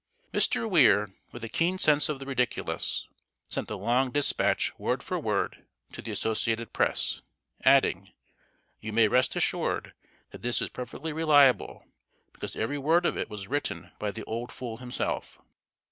] Mr. Weir, with a keen sense of the ridiculous, sent the long dispatch word for word to the Associated Press, adding: "You may rest assured that this is perfectly reliable, because every word of it was written by the old fool himself!"